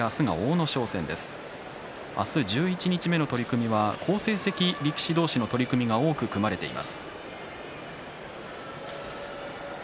明日、十一日目の取組は好成績力士同士の取組が多く組まれています。